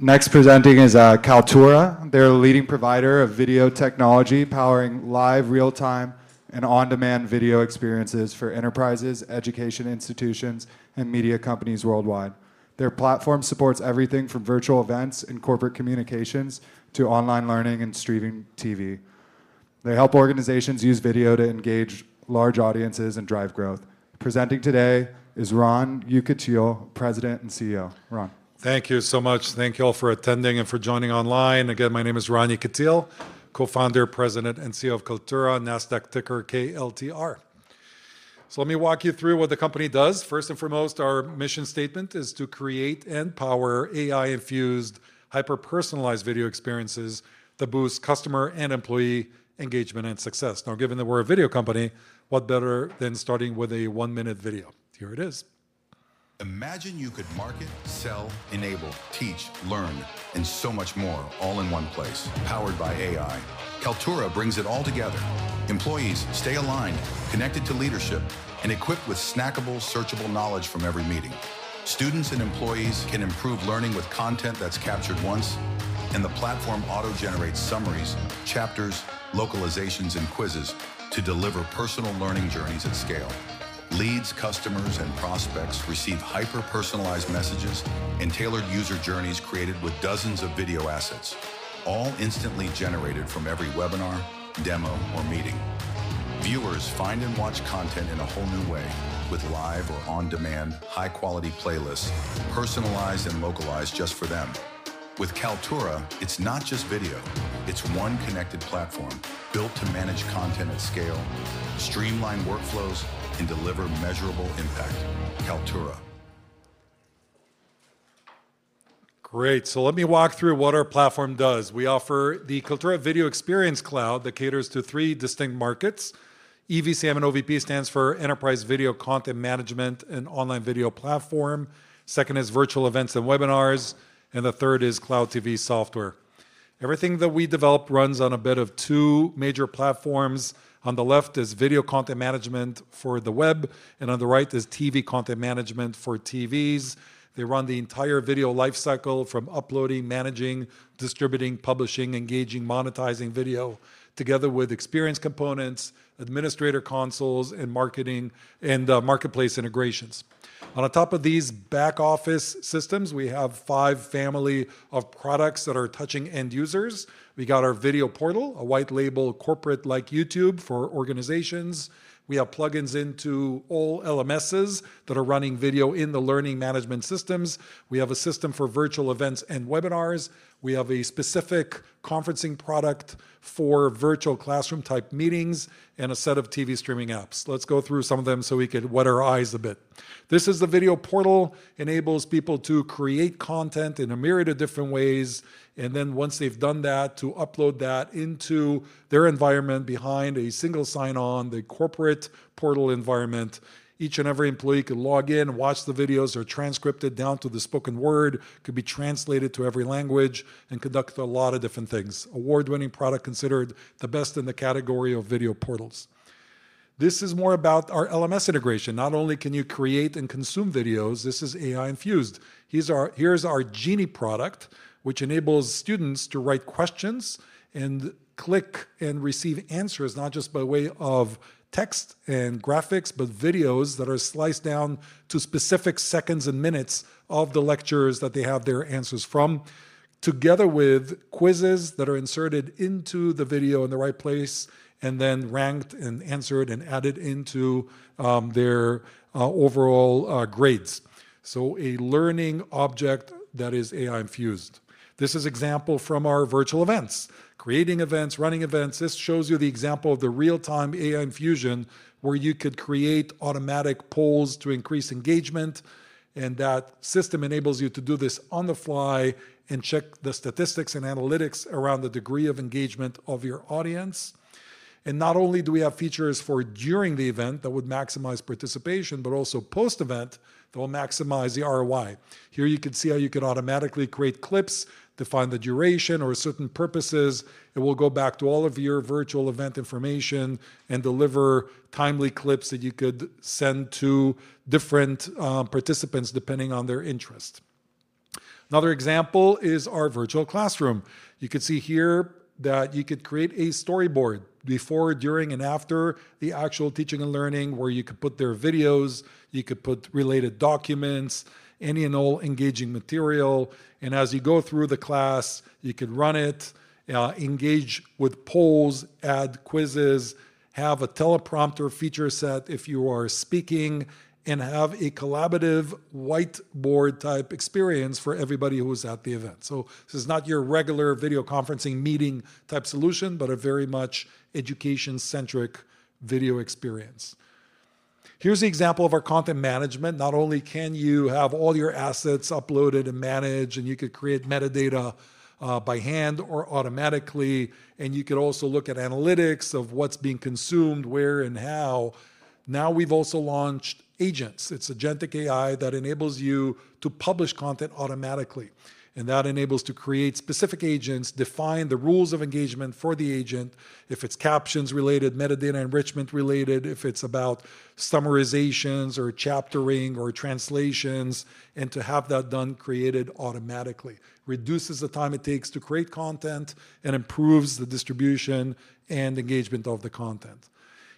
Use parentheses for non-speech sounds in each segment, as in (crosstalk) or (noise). ... Next presenting is Kaltura. They're a leading provider of video technology, powering live, real-time, and on-demand video experiences for enterprises, education institutions, and media companies worldwide. Their platform supports everything from virtual events and corporate communications to online learning and streaming TV. They help organizations use video to engage large audiences and drive growth. Presenting today is Ron Yekutiel, President and CEO. Ron? Thank you so much. Thank you all for attending and for joining online. Again, my name is Ron Yekutiel, co-founder, president, and CEO of Kaltura, Nasdaq ticker KLTR. So let me walk you through what the company does. First and foremost, our mission statement is to create and power AI-infused, hyper-personalized video experiences that boost customer and employee engagement and success. Now, given that we're a video company, what better than starting with a one-minute video? Here it is. Imagine you could market, sell, enable, teach, learn, and so much more, all in one place, powered by AI. Kaltura brings it all together. Employees stay aligned, connected to leadership, and equipped with snackable, searchable knowledge from every meeting. Students and employees can improve learning with content that's captured once, and the platform auto-generates summaries, chapters, localizations, and quizzes to deliver personal learning journeys at scale. Leads, customers, and prospects receive hyper-personalized messages and tailored user journeys created with dozens of video assets, all instantly generated from every webinar, demo, or meeting. Viewers find and watch content in a whole new way, with live or on-demand, high-quality playlists, personalized and localized just for them. With Kaltura, it's not just video, it's one connected platform built to manage content at scale, streamline workflows, and deliver measurable impact. Kaltura. Great, so let me walk through what our platform does. We offer the Kaltura Video Experience Cloud that caters to three distinct markets. EVCM and OVP stands for Enterprise Video Content Management and Online Video Platform. Second is virtual events and webinars, and the third is cloud TV software. Everything that we develop runs on a bit of two major platforms. On the left is video content management for the web, and on the right is TV content management for TVs. They run the entire video life cycle, from uploading, managing, distributing, publishing, engaging, monetizing video, together with experience components, administrator consoles, and marketing, and marketplace integrations. On top of these back office systems, we have five family of products that are touching end users. We got our video portal, a white label, corporate like YouTube for organizations. We have plugins into all LMSs that are running video in the learning management systems. We have a system for virtual events and webinars. We have a specific conferencing product for virtual classroom-type meetings, and a set of TV streaming apps. Let's go through some of them so we can wet our eyes a bit. This is the video portal, enables people to create content in a myriad of different ways, and then once they've done that, to upload that into their environment behind a single sign-on, the corporate portal environment. Each and every employee can log in, watch the videos. They're transcribed down to the spoken word, could be translated to every language, and conduct a lot of different things. Award-winning product, considered the best in the category of video portals. This is more about our LMS integration. Not only can you create and consume videos, this is AI-infused. Here's our Genie product, which enables students to write questions and click and receive answers, not just by way of text and graphics, but videos that are sliced down to specific seconds and minutes of the lectures that they have their answers from, together with quizzes that are inserted into the video in the right place, and then ranked and answered and added into their overall grades. So a learning object that is AI-infused. This is example from our virtual events. Creating events, running events, this shows you the example of the real-time AI infusion, where you could create automatic polls to increase engagement, and that system enables you to do this on the fly and check the statistics and analytics around the degree of engagement of your audience. Not only do we have features for during the event that would maximize participation, but also post-event that will maximize the ROI. Here you can see how you can automatically create clips, define the duration or certain purposes. It will go back to all of your virtual event information and deliver timely clips that you could send to different participants, depending on their interest. Another example is our virtual classroom. You can see here that you could create a storyboard before, during, and after the actual teaching and learning, where you could put their videos. You could put related documents, any and all engaging material. As you go through the class, you could run it, engage with polls, add quizzes, have a teleprompter feature set if you are speaking, and have a collaborative whiteboard-type experience for everybody who is at the event. This is not your regular video conferencing meeting-type solution, but a very much education-centric video experience. Here's the example of our content management. Not only can you have all your assets uploaded and managed, and you could create metadata by hand or automatically, and you could also look at analytics of what's being consumed, where and how. Now we've also launched agents. It's agentic AI that enables you to publish content automatically, and that enables to create specific agents, define the rules of engagement for the agent, if it's captions-related, metadata enrichment-related, if it's about summarizations or chaptering or translations, and to have that done, created automatically. Reduces the time it takes to create content and improves the distribution and engagement of the content.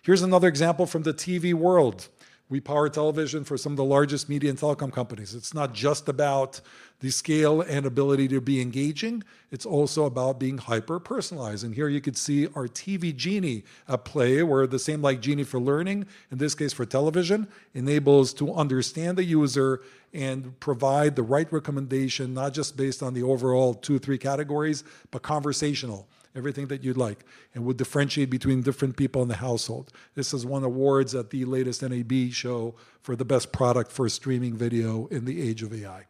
Here's another example from the TV world. We power television for some of the largest media and telecom companies. It's not just about the scale and ability to be engaging, it's also about being hyper-personalized, and here you can see our TV Genie at play, where the same like Genie for learning, in this case for television, enables to understand the user and provide the right recommendation, not just based on the overall two, three categories, but conversational, everything that you'd like. It would differentiate between different people in the household. This has won awards at the latest NAB Show for the best product for streaming video in the age of AI,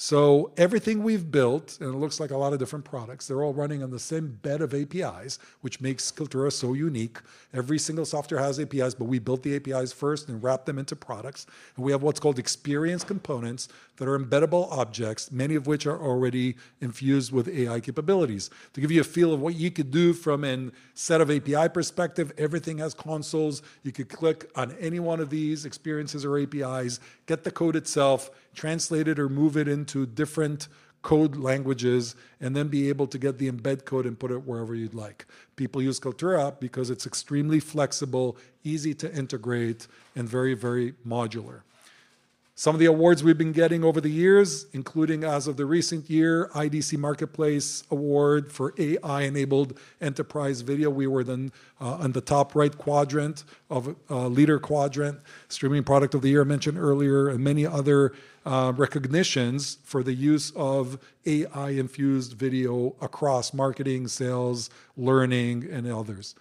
so everything we've built, and it looks like a lot of different products, they're all running on the same bed of APIs, which makes Kaltura so unique. Every single software has APIs, but we built the APIs first and wrapped them into products. We have what's called experience components that are embeddable objects, many of which are already infused with AI capabilities. To give you a feel of what you could do from a set of API perspective, everything has consoles. You could click on any one of these experiences or APIs, get the code itself, translate it, or move it into different code languages, and then be able to get the embed code and put it wherever you'd like. People use Kaltura because it's extremely flexible, easy to integrate, and very, very modular. Some of the awards we've been getting over the years, including as of the recent year, IDC MarketScape Award for AI-enabled enterprise video. We were then on the top right quadrant of leader quadrant, Streaming Product of the Year, I mentioned earlier, and many other recognitions for the use of AI-infused video across marketing, sales, learning, and others.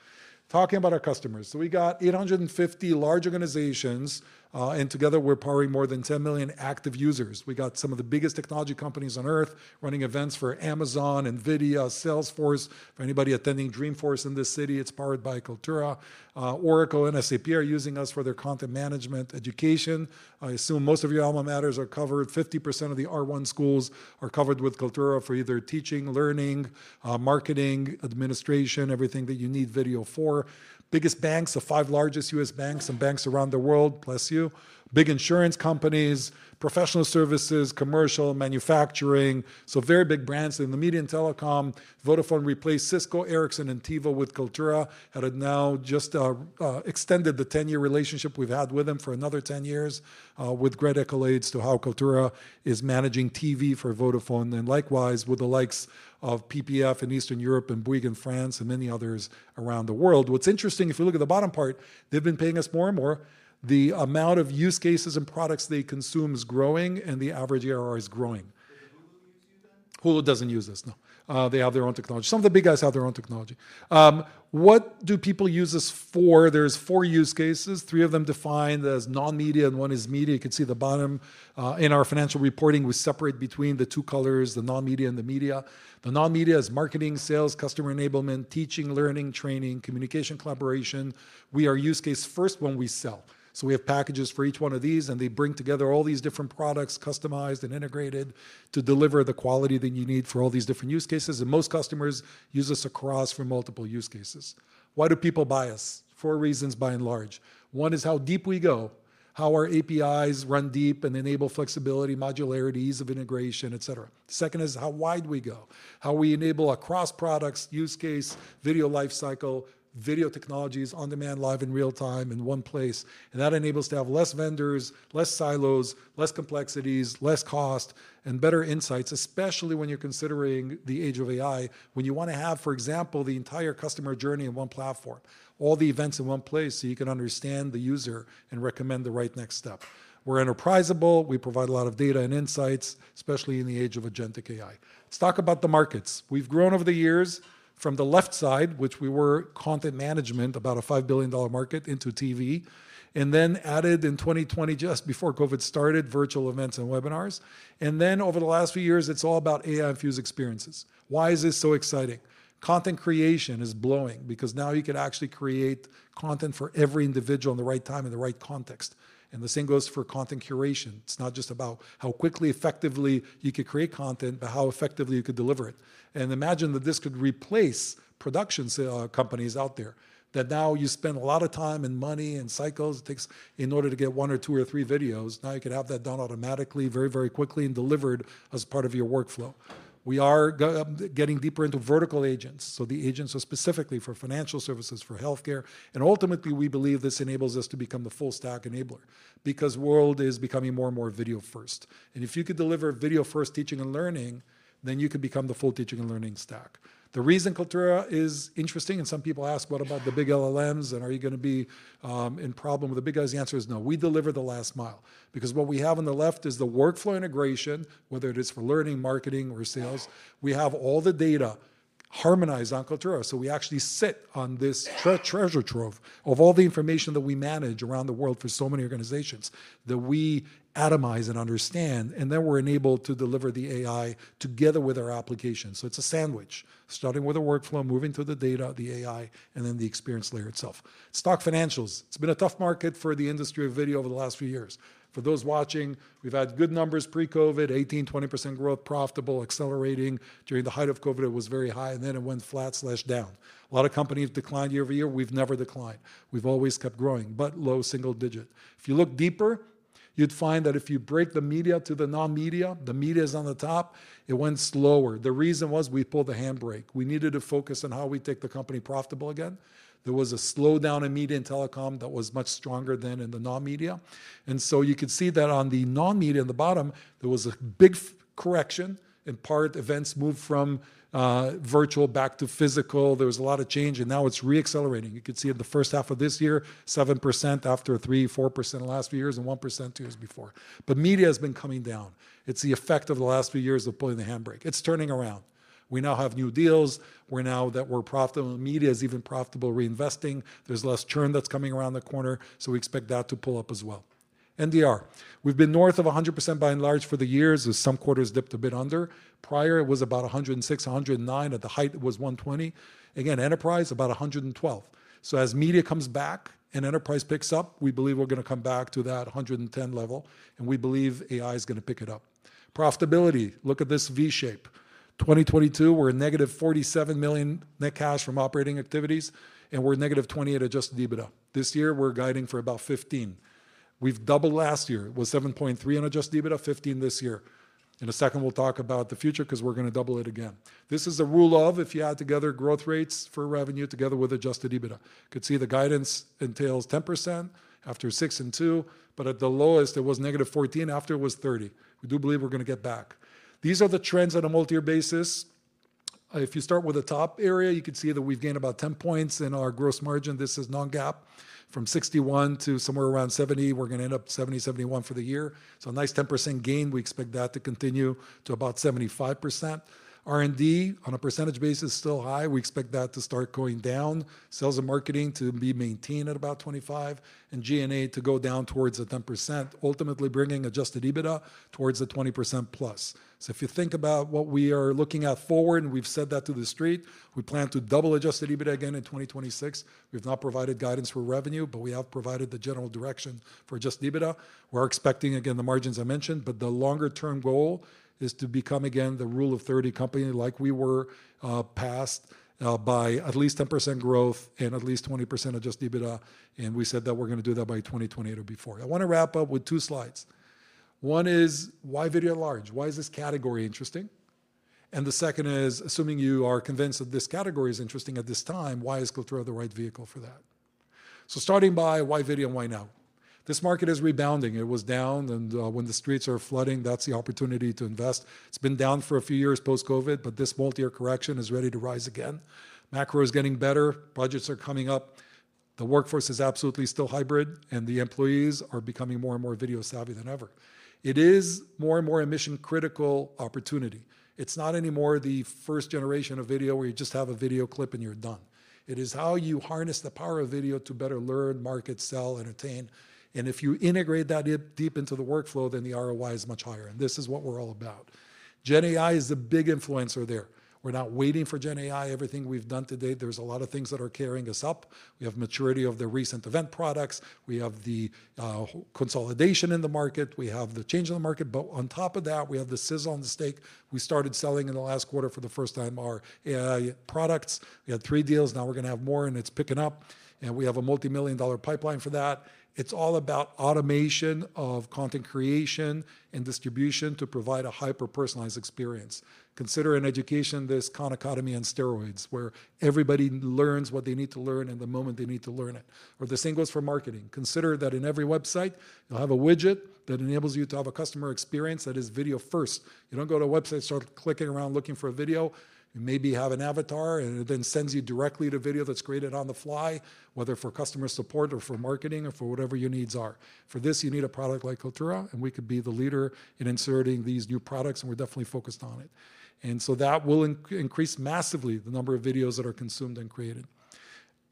Talking about our customers, so we got 850 large organizations, and together we're powering more than 10 million active users. We got some of the biggest technology companies on Earth running events for Amazon, Nvidia, Salesforce. For anybody attending Dreamforce in this city, it's powered by Kaltura. Oracle and SAP are using us for their content management education. I assume most of your alma maters are covered. 50% of the R1 Schools are covered with Kaltura for either teaching, learning, marketing, administration, everything that you need video for. Biggest banks, the five largest U.S. banks and banks around the world. Bless you. Big insurance companies, professional services, commercial, manufacturing, so very big brands in the media and telecom. Vodafone replaced Cisco, Ericsson, and TiVo with Kaltura, and have now just extended the ten-year relationship we've had with them for another ten years, with great accolades to how Kaltura is managing TV for Vodafone, and likewise with the likes of PPF in Eastern Europe, and Bouygues in France, and many others around the world. What's interesting, if you look at the bottom part, they've been paying us more and more. The amount of use cases and products they consume is growing, and the average ARR is growing. (audio distortion) Hulu doesn't use us, no. They have their own technology. Some of the big guys have their own technology. What do people use us for? There's four use cases, three of them defined as non-media, and one is media. You can see the bottom. In our financial reporting, we separate between the two colors, the non-media and the media. The non-media is marketing, sales, customer enablement, teaching, learning, training, communication, collaboration. We are use case first when we sell. So we have packages for each one of these, and they bring together all these different products, customized and integrated, to deliver the quality that you need for all these different use cases. And most customers use us across for multiple use cases. Why do people buy us? Four reasons, by and large. One is how deep we go, how our APIs run deep and enable flexibility, modularity, ease of integration, et cetera. The second is how wide we go, how we enable across products, use case, video life cycle, video technologies, on-demand, live in real time, in one place. And that enables to have less vendors, less silos, less complexities, less cost, and better insights, especially when you're considering the age of AI, when you wanna have, for example, the entire customer journey in one platform, all the events in one place, so you can understand the user and recommend the right next step. We're enterpriseable. We provide a lot of data and insights, especially in the age of agentic AI. Let's talk about the markets. We've grown over the years from the left side, which we were content management, about a $5 billion market, into TV, and then added in 2020, just before COVID started, virtual events and webinars, and then over the last few years, it's all about AI-infused experiences. Why is this so exciting? Content creation is blowing up because now you can actually create content for every individual in the right time, in the right context, and the same goes for content curation. It's not just about how quickly, effectively you could create content, but how effectively you could deliver it. And imagine that this could replace production companies out there. That now you spend a lot of time and money and cycles it takes in order to get one or two or three videos. Now, you could have that done automatically very, very quickly and delivered as part of your workflow. We are getting deeper into vertical agents, so the agents are specifically for financial services, for healthcare, and ultimately, we believe this enables us to become the full-stack enabler because world is becoming more and more video first. And if you could deliver video first, teaching and learning, then you could become the full teaching and learning stack. The reason Kaltura is interesting, and some people ask: What about the big LLMs, and are you gonna be in problem with the big guys? The answer is no. We deliver the last mile. Because what we have on the left is the workflow integration, whether it is for learning, marketing, or sales. We have all the data harmonize on Kaltura. We actually sit on this treasure trove of all the information that we manage around the world for so many organizations, that we atomize and understand, and then we're enabled to deliver the AI together with our application. So it's a sandwich, starting with a workflow, moving through the data, the AI, and then the experience layer itself. Stock financials. It's been a tough market for the industry of video over the last few years. For those watching, we've had good numbers pre-COVID, 18%-20% growth, profitable, accelerating. During the height of COVID, it was very high, and then it went flat/down. A lot of companies declined year over year. We've never declined. We've always kept growing, but low single digit. If you look deeper, you'd find that if you break the media to the non-media, the media's on the top, it went slower. The reason was we pulled the handbrake. We needed to focus on how we take the company profitable again. There was a slowdown in media and telecom that was much stronger than in the non-media. And so you can see that on the non-media, in the bottom, there was a big correction. In part, events moved from virtual back to physical. There was a lot of change, and now it's reaccelerating. You can see in the first half of this year, 7% after 3%-4% the last few years, and 1% two years before. But media has been coming down. It's the effect of the last few years of pulling the handbrake. It's turning around. We now have new deals, where now that we're profitable, media is even profitable, reinvesting. There's less churn that's coming around the corner, so we expect that to pull up as well. NDR. We've been north of 100% by and large for the years, as some quarters dipped a bit under. Prior, it was about 106, 109. At the height, it was 120. Again, enterprise, about 112. So as media comes back and enterprise picks up, we believe we're gonna come back to that 110 level, and we believe AI is gonna pick it up. Profitability, look at this V shape. 2022, we're a -$47 million net cash from operating activities, and we're -$20 million at Adjusted EBITDA. This year, we're guiding for about $15 million. We've doubled last year. It was $7.3 million in Adjusted EBITDA, $15 million this year. In a second, we'll talk about the future, 'cause we're gonna double it again. This is a rule of, if you add together growth rates for revenue together with adjusted EBITDA. You could see the guidance entails 10%, after 6% and 2%, but at the lowest, it was -14%, after it was 30%. We do believe we're gonna get back. These are the trends on a multi-year basis. If you start with the top area, you can see that we've gained about 10 points in our gross margin. This is non-GAAP, from 61% to somewhere around 70%. We're gonna end up 70%-71% for the year, so a nice 10% gain. We expect that to continue to about 75%. R&D, on a percentage basis, still high. We expect that to start going down, sales and marketing to be maintained at about 25%, and G&A to go down towards the 10%, ultimately bringing adjusted EBITDA towards the 20%+. So if you think about what we are looking at forward, and we've said that to the street, we plan to double-adjust the EBITDA again in 2026. We've not provided guidance for revenue, but we have provided the general direction for adjusted EBITDA. We're expecting, again, the margins I mentioned, but the longer term goal is to become again the rule of thirty company, like we were, past, by at least 10% growth and at least 20% adjusted EBITDA, and we said that we're gonna do that by 2028 or before. I wanna wrap up with two slides. One is, why video at large? Why is this category interesting? And the second is, assuming you are convinced that this category is interesting at this time, why is Kaltura the right vehicle for that? So starting by, why video and why now? This market is rebounding. It was down, and when the streets are flooding, that's the opportunity to invest. It's been down for a few years post-COVID, but this multi-year correction is ready to rise again. Macro is getting better. Budgets are coming up. The workforce is absolutely still hybrid, and the employees are becoming more and more video savvy than ever. It is more and more a mission-critical opportunity. It's not anymore the first generation of video, where you just have a video clip and you're done. It is how you harness the power of video to better learn, market, sell, entertain, and if you integrate that AI deep into the workflow, then the ROI is much higher, and this is what we're all about. Gen AI is a big influencer there. We're not waiting for Gen AI. Everything we've done to date, there's a lot of things that are carrying us up. We have maturity of the recent event products. We have the consolidation in the market. We have the change in the market, but on top of that, we have the sizzle on the steak. We started selling in the last quarter for the first time our AI products. We had three deals, now we're gonna have more, and it's picking up, and we have a multimillion-dollar pipeline for that. It's all about automation of content creation and distribution to provide a hyper-personalized experience. Consider in education, this Khan Academy on steroids, where everybody learns what they need to learn and the moment they need to learn it. Or the same goes for marketing. Consider that in every website, you'll have a widget that enables you to have a customer experience that is video first. You don't go to a website, start clicking around, looking for a video. You maybe have an avatar, and it then sends you directly to video that's created on the fly, whether for customer support or for marketing or for whatever your needs are. For this, you need a product like Kaltura, and we could be the leader in inserting these new products, and we're definitely focused on it, and so that will increase massively the number of videos that are consumed and created.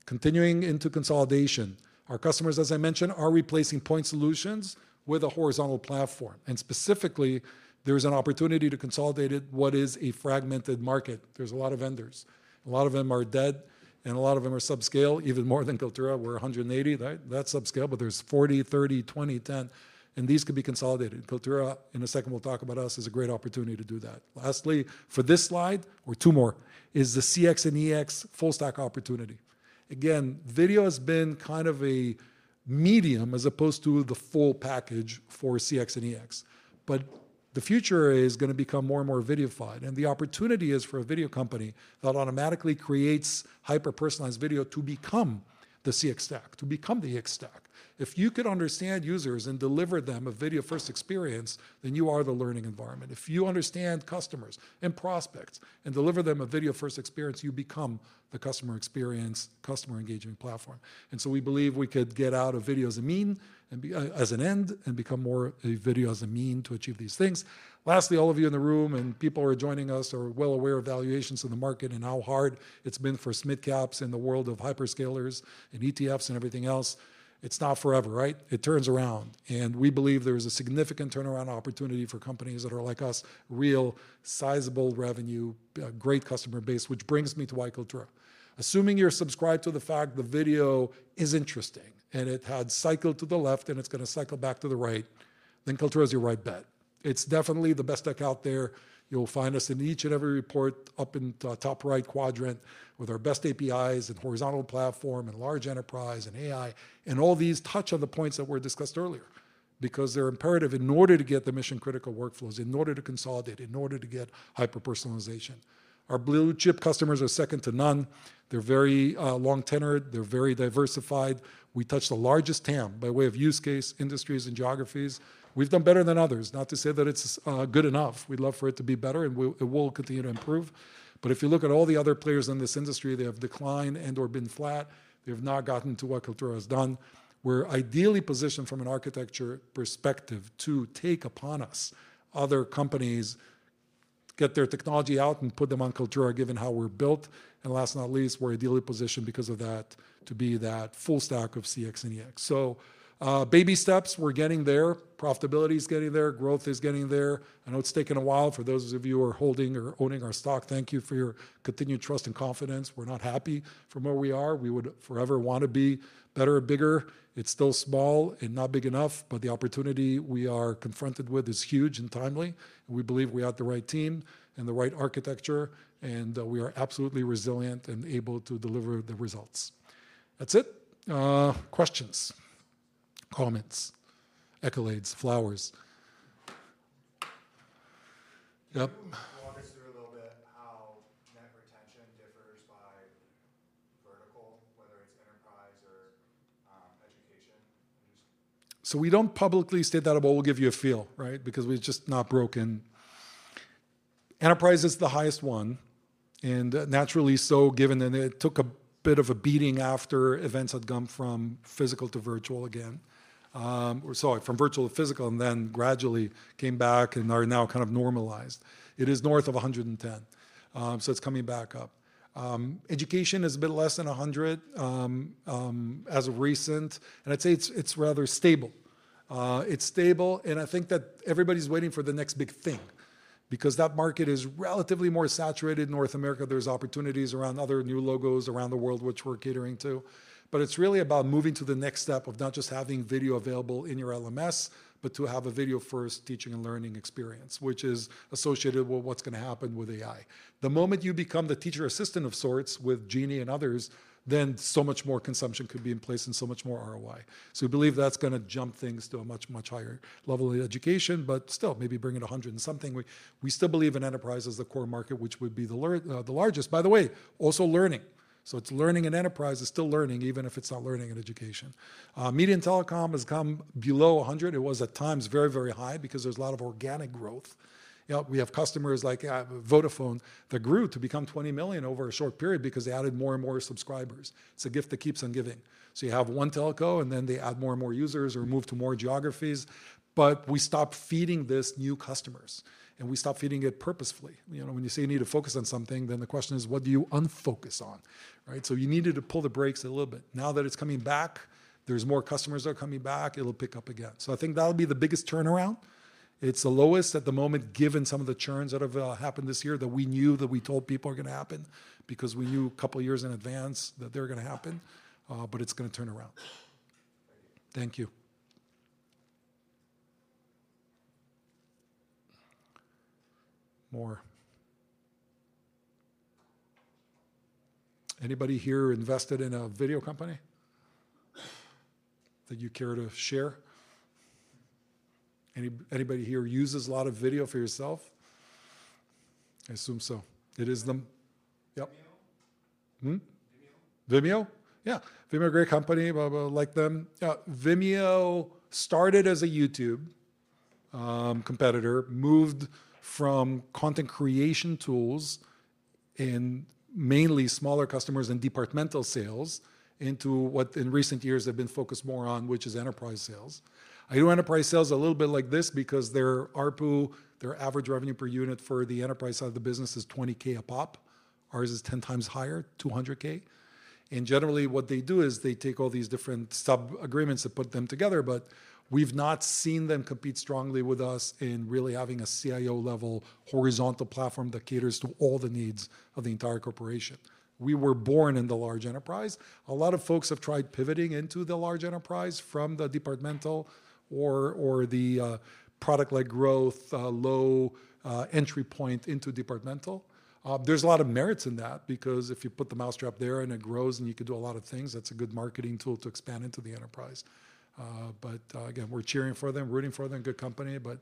Continuing into consolidation. Our customers, as I mentioned, are replacing point solutions with a horizontal platform, and specifically, there's an opportunity to consolidate what is a fragmented market. There's a lot of vendors. A lot of them are dead, and a lot of them are subscale, even more than Kaltura. We're a hundred and eighty, right? That's subscale, but there's forty, thirty, twenty, ten, and these could be consolidated. Kaltura, in a second, we'll talk about us, is a great opportunity to do that. Lastly, for this slide, or two more, is the CX and EX full-stack opportunity. Again, video has been kind of a medium as opposed to the full package for CX and EX, but the future is gonna become more and more Videofied, and the opportunity is for a video company that automatically creates hyper-personalized video to become the CX stack, to become the EX stack. If you could understand users and deliver them a video-first experience, then you are the learning environment. If you understand customers and prospects and deliver them a video-first experience, you become the customer experience, customer engagement platform. And so we believe we could get out of video as a means, and be as an end, and become more a video as a means to achieve these things. Lastly, all of you in the room, and people who are joining us, are well aware of valuations in the market and how hard it's been for mid-caps in the world of hyperscalers and ETFs and everything else. It's not forever, right? It turns around, and we believe there's a significant turnaround opportunity for companies that are like us, real, sizable revenue, a great customer base. Which brings me to why Kaltura. Assuming you're subscribed to the fact the video is interesting, and it had cycled to the left, and it's gonna cycle back to the right, then Kaltura is your right bet. It's definitely the best tech out there. You'll find us in each and every report up in the top right quadrant, with our best APIs and horizontal platform and large enterprise and AI, and all these touch on the points that were discussed earlier. Because they're imperative in order to get the mission-critical workflows, in order to consolidate, in order to get hyper-personalization. Our blue chip customers are second to none. They're very long-tenured. They're very diversified. We touch the largest TAM by way of use case, industries, and geographies. We've done better than others, not to say that it's good enough. We'd love for it to be better, and it will continue to improve. But if you look at all the other players in this industry, they have declined and/or been flat. They have not gotten to what Kaltura has done. We're ideally positioned from an architecture perspective to take upon us other companies, get their technology out, and put them on Kaltura, given how we're built. And last, not least, we're ideally positioned because of that to be that full stack of CX and EX. So, baby steps, we're getting there. Profitability is getting there. Growth is getting there. I know it's taken a while. For those of you who are holding or owning our stock, thank you for your continued trust and confidence. We're not happy from where we are. We would forever want to be better and bigger. It's still small and not big enough, but the opportunity we are confronted with is huge and timely, and we believe we have the right team and the right architecture, and we are absolutely resilient and able to deliver the results. That's it. Questions, comments, accolades, flowers? Yep. Can you walk us through a little bit how net retention differs by vertical, whether it's enterprise or, education? Just- So we don't publicly state that, but we'll give you a feel, right? Because we've just not broken... Enterprise is the highest one, and naturally so, given that it took a bit of a beating after events had gone from physical to virtual again. Or sorry, from virtual to physical, and then gradually came back and are now kind of normalized. It is north of a hundred and ten. So it's coming back up. Education is a bit less than a hundred, as of recent, and I'd say it's rather stable. It's stable, and I think that everybody's waiting for the next big thing, because that market is relatively more saturated in North America. There's opportunities around other new logos around the world, which we're catering to. But it's really about moving to the next step of not just having video available in your LMS, but to have a video-first teaching and learning experience, which is associated with what's gonna happen with AI. The moment you become the teacher assistant of sorts, with Genie and others, then so much more consumption could be in place and so much more ROI. So we believe that's gonna jump things to a much, much higher level of education, but still maybe bring it a hundred and something. We still believe in enterprise as the core market, which would be the largest. By the way, also learning, so it's learning and enterprise. It's still learning, even if it's not learning and education. Media and telecom has come below a hundred. It was, at times, very, very high because there's a lot of organic growth. You know, we have customers like Vodafone that grew to become 20 million over a short period because they added more and more subscribers. It's a gift that keeps on giving. So you have one telco, and then they add more and more users or move to more geographies. But we stopped feeding this new customers, and we stopped feeding it purposefully. You know, when you say you need to focus on something, then the question is: What do you unfocus on? Right? So you needed to pull the brakes a little bit. Now that it's coming back, there's more customers that are coming back, it'll pick up again. So I think that'll be the biggest turnaround. It's the lowest at the moment, given some of the churns that have happened this year that we knew, that we told people are gonna happen because we knew a couple of years in advance that they're gonna happen. But it's gonna turn around. Thank you. Thank you. More? Anybody here invested in a video company that you care to share? Anybody here uses a lot of video for yourself? I assume so. It is the... Yep. Vimeo? Hmm? Vimeo. Vimeo? Yeah, Vimeo, great company, blah, blah, like them. Vimeo started as a YouTube competitor, moved from content creation tools in mainly smaller customers and departmental sales, into what, in recent years, they've been focused more on, which is enterprise sales. I do enterprise sales a little bit like this because their ARPU, their average revenue per unit, for the enterprise side of the business is $20K a pop. Ours is 10 times higher, $200K. Generally, what they do is they take all these different sub-agreements that put them together, but we've not seen them compete strongly with us in really having a CIO-level horizontal platform that caters to all the needs of the entire corporation. We were born in the large enterprise. A lot of folks have tried pivoting into the large enterprise from the departmental or the product-led growth low entry point into departmental. There's a lot of merits in that because if you put the mousetrap there and it grows, and you can do a lot of things, that's a good marketing tool to expand into the enterprise. But again, we're cheering for them, rooting for them, good company, but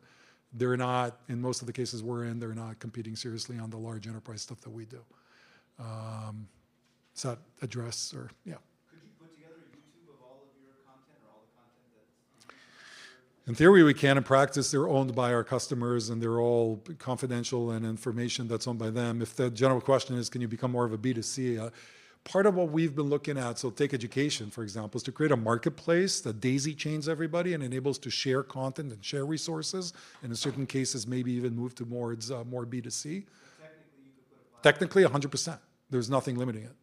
they're not... In most of the cases we're in, they're not competing seriously on the large enterprise stuff that we do. Does that address or... Yeah. Could you put together a YouTube of all of your content or all the content that's- In theory, we can. In practice, they're owned by our customers, and they're all confidential and information that's owned by them. If the general question is, "Can you become more of a B2C?" Part of what we've been looking at, so take education, for example, is to create a marketplace that daisy chains everybody and enables to share content and share resources, and in certain cases, maybe even move towards more B2C. Technically, 100%. There's nothing limiting it.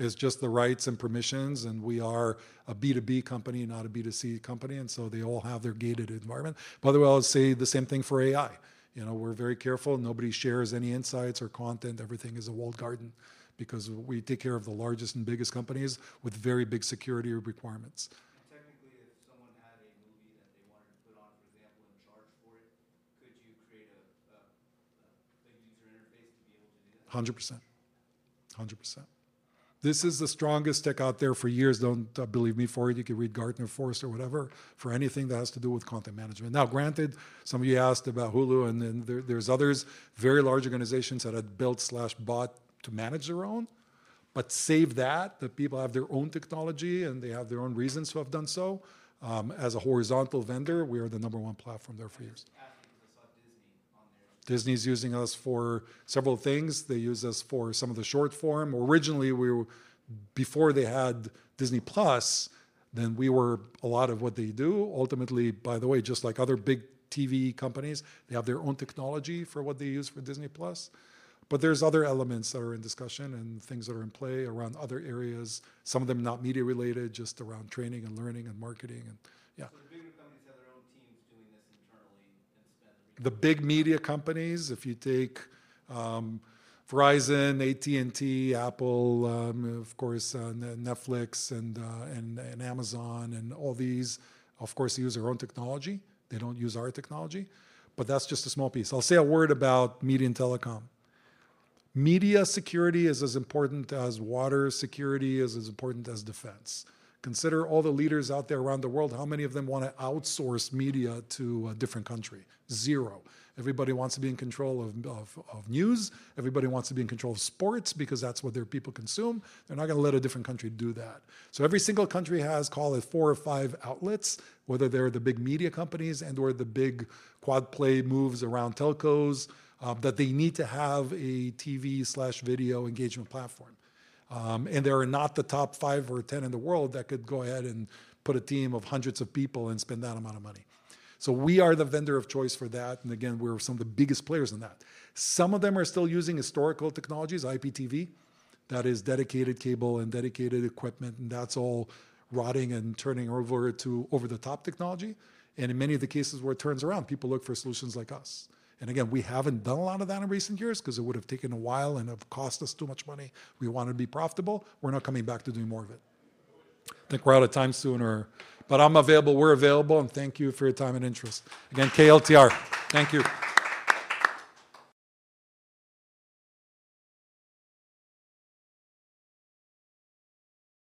It's just the rights and permissions, and we are a B2B company, not a B2C company, and so they all have their gated environment. By the way, I'll say the same thing for AI. You know, we're very careful. Nobody shares any insights or content. Everything is a walled garden because we take care of the largest and biggest companies with very big security requirements. Technically, if someone had a movie that they wanted to put on, for example, and charge for it, could you create a user interface to be able to do that? 100%. 100%. This is the strongest tech out there for years. Don't believe me for it, you can read Gartner, Forrester, or whatever, for anything that has to do with content management. Now, granted, somebody asked about Hulu, and there are others, very large organizations that have built or bought to manage their own. But save that, the people have their own technology, and they have their own reasons for having done so. As a horizontal vendor, we are the number one platform there for years. (audio distortion) Disney's using us for several things. They use us for some of the short form. Originally, we were... Before they had Disney+, then we were a lot of what they do. Ultimately, by the way, just like other big TV companies, they have their own technology for what they use for Disney+. But there's other elements that are in discussion and things that are in play around other areas, some of them not media-related, just around training and learning and marketing and, yeah. (audio distortion) The big media companies, if you take, Verizon, AT&T, Apple, of course, then Netflix, and Amazon, and all these, of course, use their own technology. They don't use our technology, but that's just a small piece. I'll say a word about media and telecom. Media security is as important as water security, is as important as defense. Consider all the leaders out there around the world, how many of them wanna outsource media to a different country? Zero. Everybody wants to be in control of news. Everybody wants to be in control of sports because that's what their people consume. They're not gonna let a different country do that. So every single country has, call it, four or five outlets, whether they're the big media companies and/or the big quad play moves around telcos, that they need to have a TV/video engagement platform. And there are not the top five or ten in the world that could go ahead and put a team of hundreds of people and spend that amount of money. So we are the vendor of choice for that, and again, we're some of the biggest players in that. Some of them are still using historical technologies, IPTV. That is, dedicated cable and dedicated equipment, and that's all rotting and turning over to over-the-top technology. And in many of the cases where it turns around, people look for solutions like us. Again, we haven't done a lot of that in recent years 'cause it would've taken a while and have cost us too much money. We wanna be profitable. We're not coming back to do more of it. I think we're out of time sooner, but I'm available. We're available, and thank you for your time and interest. Again, KLTR, thank you.